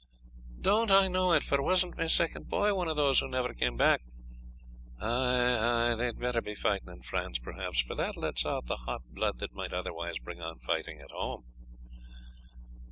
"Don't I know it, for wasn't my second boy one of those who never came back. Ay, ay, they had better be fighting in France, perhaps, for that lets out the hot blood that might otherwise bring on fighting at home."